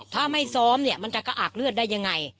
ถ้าไม่ซ้อมเนี่ยมันจะกระอากเลือดได้ยังไง